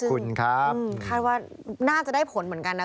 คิดว่าน่าจะได้ผลเหมือนกันนะ